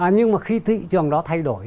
nhưng mà khi thị trường đó thay đổi